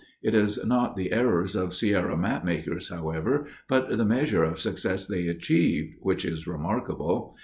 It is not the errors of Sierra mapmakers, however, but the measure of success they achieved, which is remarkable.